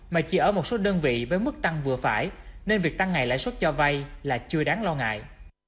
mà chỉ ở một số đơn vị với mức tăng vừa phải nên việc tăng ngày lãi suất cho vay là chưa đáng lo ngại